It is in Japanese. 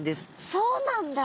そうなんだ。